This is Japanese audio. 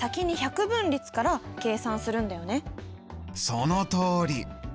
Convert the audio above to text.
そのとおり。